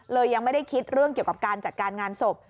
ยังไม่ได้คิดเรื่องเกี่ยวกับการจัดการงานศพ